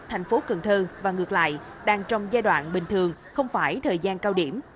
tp cần thơ và ngược lại đang trong giai đoạn bình thường không phải thời gian cao điểm